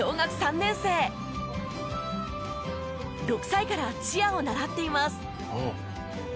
６歳からチアを習っています。